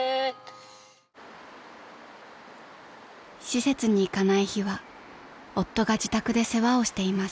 ［施設に行かない日は夫が自宅で世話をしています］